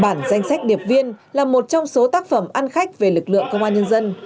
bản danh sách điệp viên là một trong số tác phẩm ăn khách về lực lượng công an nhân dân